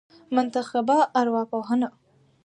منتخبه ارواپوهنه